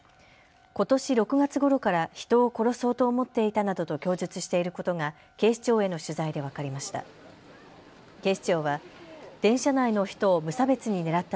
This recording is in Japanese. ことし６月ごろから人を殺そうと思っていたなどと供述していることが警視庁への取材で分かりました。